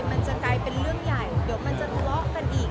มันจะกลายเป็นเรื่องใหญ่เดี๋ยวมันจะทะเลาะกันอีก